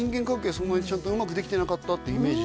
そんなにうまくできてなかったっていうイメージ